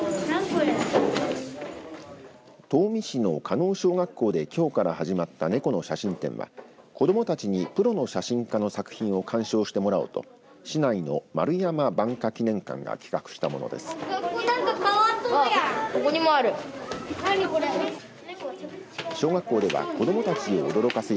東御市の和小学校できょうから始まったネコの写真展は子どもたちにプロの写真家の作品を鑑賞してもらおうと市内の丸山晩霞記念館が企画したものです。